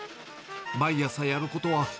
毎朝やることは。